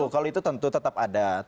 kalau itu tentu tetap ada